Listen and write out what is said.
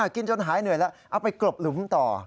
จนหายเหนื่อยแล้วเอาไปกรบหลุมต่อ